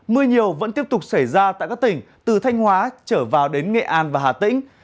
mưa nhiều vẫn tiếp tục xảy ra tại các tỉnh từ thanh hóa trở vào đến nghệ an và hà tĩnh